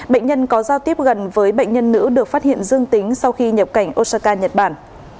bệnh nhân có giao tiếp gần với bệnh nhân nữ được phát hiện dương tính sau khi nhập cảnh osaka nhật bản